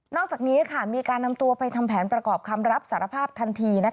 อกจากนี้มีการนำตัวไปทำแผนประกอบคำรับสารภาพทันที